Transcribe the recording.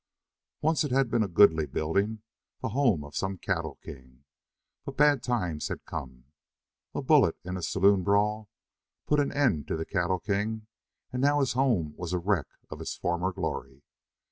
Once it had been a goodly building, the home of some cattle king. But bad times had come. A bullet in a saloon brawl put an end to the cattle king, and now his home was a wreck of its former glory.